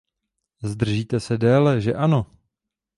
Zdržíte se déle, že ano?